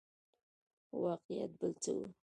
خو واقعیت بل څه وو.